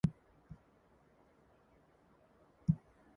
It is unknown who replaced the words with those of the modern version.